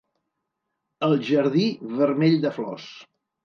El jardí vermell de flors.